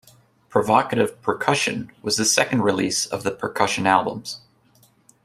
"Provocative Percussion" was the second release of the "Percussion" albums.